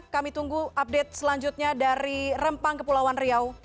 kami tunggu update selanjutnya dari rempang kepulauan riau